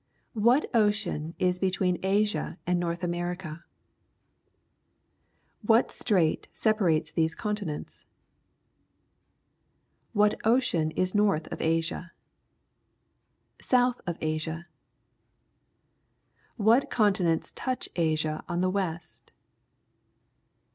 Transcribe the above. — What ocean is between Asia and North America ? What strait separates these continents ? What ocean is north of Asia ? South of Asia? What continents touch Asia on the west?